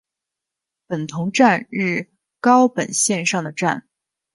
本桐站日高本线上的站。